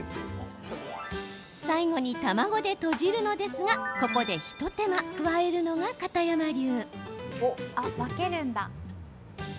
最後に卵でとじるのですがここで一手間加えるのが片山流。